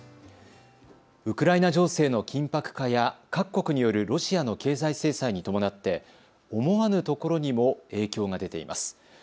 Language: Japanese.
ウクライナ情勢の緊迫化や各国によるロシアの経済制裁に伴って思わぬところにも影響が出ています。